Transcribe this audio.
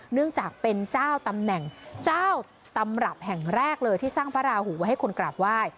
เนื่องจากเป็นเจ้าตำแหน่งเจ้าตำรับแห่งแรกเลยที่สร้างพระราหูไว้ให้คนกราบไหว้